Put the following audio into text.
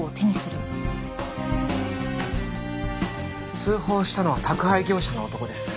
通報したのは宅配業者の男です。